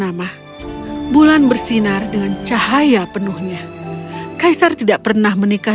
seperti bulan purnama bulan bersinar dengan cahaya penuhnya kaisar tidak pernah menikah